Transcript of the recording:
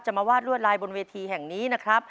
มาวาดรวดลายบนเวทีแห่งนี้นะครับ